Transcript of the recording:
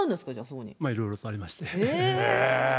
いろいろとありまして。